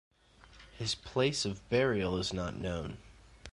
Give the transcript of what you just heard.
His place of burial is not known.